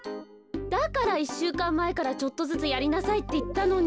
だから１しゅうかんまえからちょっとずつやりなさいっていったのに。